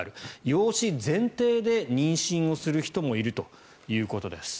養子前提で妊娠をする人もいるということです。